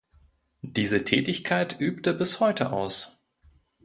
Diese Tätigkeit übt er bis heute aus.